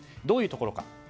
どういうところか。